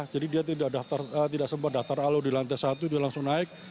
jadi dia tidak sempat daftar alo di lantai satu dia langsung naik